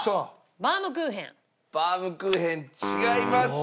バウムクーヘン違います。